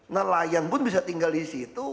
nah layan pun bisa tinggal disitu